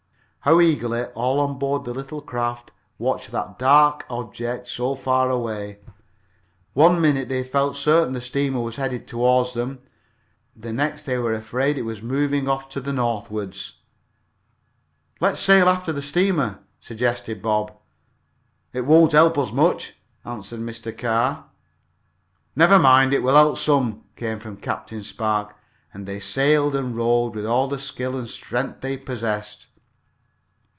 How eagerly all on board the little craft watched that dark object so far away! One minute they felt certain the steamer was headed toward them, the next they were afraid it was moving off to the northward. "Let's sail after the steamer," suggested Bob. "It won't help us much," answered Mr. Carr. "Never mind, it will help some," came from Captain Spark, and they sailed and rowed with all the skill and strength they possessed.